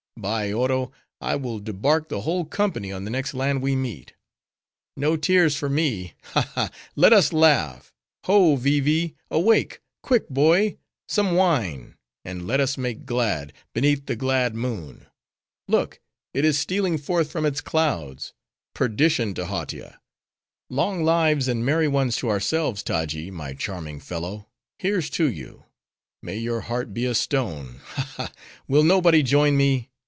—By Oro! I will debark the whole company on the next land we meet. No tears for me. Ha, ha! let us laugh. Ho, Vee Vee! awake; quick, boy,—some wine! and let us make glad, beneath the glad moon. Look! it is stealing forth from its clouds. Perdition to Hautia! Long lives, and merry ones to ourselves! Taji, my charming fellow, here's to you:—May your heart be a stone! Ha, ha!—will nobody join me?